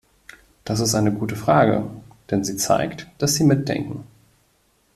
Das ist eine gute Frage, denn sie zeigt, dass Sie mitdenken.